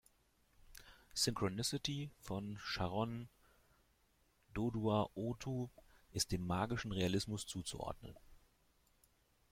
"Synchronicity" von Sharon Dodua Otoo ist dem magischen Realismus zuzuordnen.